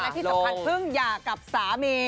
ที่สำคัญเพิ่งหย่ากับสามี